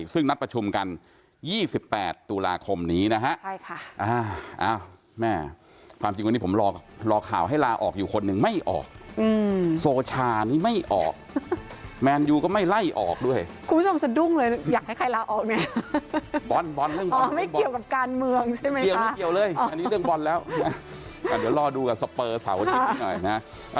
โซชานี่ไม่ออกแมนยูก็ไม่ไล่ออกด้วยคุณผู้ชมจะดุ้งเลยอยากให้ใครร้าออกเนี่ยบอลไม่เกี่ยวกับการเมืองใช่ไหมคะไม่เกี่ยวเลยอันนี้เรื่องบอลแล้วเดี๋ยวรอดูกับสเปอร์สาวนิดนึงหน่อยนะ